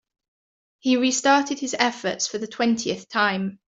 He restarted his efforts for the twentieth time.